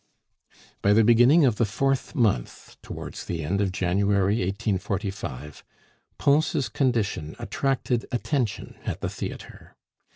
By the beginning of the fourth month (towards the end of January, 1845), Pons' condition attracted attention at the theatre.